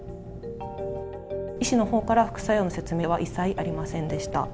医師の方から副作用の説明は一切、ありませんでした。